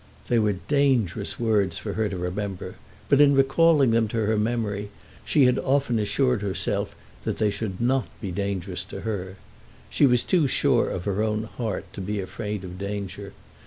They were dangerous words for her to remember; but in recalling them to her memory she had often assured herself that they should not be dangerous to her. She was too sure of her own heart to be afraid of danger.